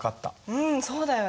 うんそうだよね。